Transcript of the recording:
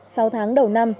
sau tháng đầu năm